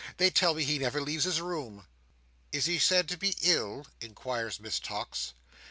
They tell me he never leaves his room." "Is he said to be ill?" inquires Miss Tox.